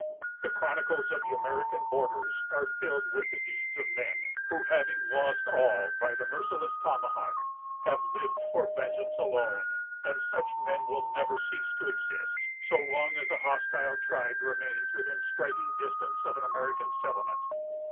The chronicles of the American borders are filled with the deeds of men, who, having lost all by the merciless tomahawk, have lived for vengeance alone; and such men will never cease to exist so long as a hostile tribe remains within striking distance of an American settlement.